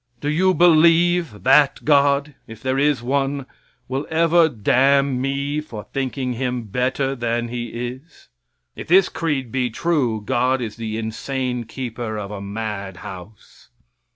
Do you believe that God if there is one will ever damn me for thinking Him better than He is? If this creed be true, God is the insane keeper of a mad house.